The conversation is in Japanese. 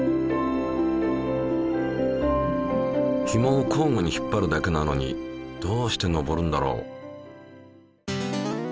ひもを交互に引っ張るだけなのにどうして上るんだろう？